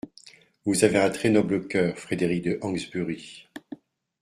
«Vous avez un très noble cœur, Frédéric de Hawksbury.